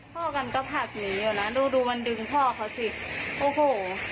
พ่อกันก็ผลักหนีอยู่นะดูดูมันดึงพ่อเขาสิโอ้โห